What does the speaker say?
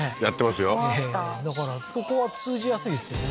だからそこは通じやすいですよね